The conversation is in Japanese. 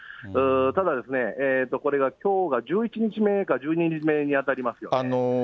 ただ、これがきょうが１１日目か１２日目に当たりますよね。